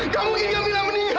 gak mungkin kamila meninggal dil